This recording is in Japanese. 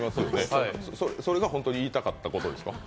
それが本当に言いたかったことですか？